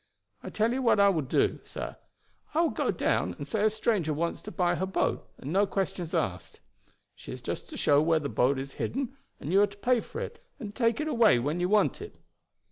I tell you what I will do, sir. I will go down and say as a stranger wants to buy her boat, and no questions asked. She is just to show where the boat is hidden, and you are to pay for it and take it away when you want it."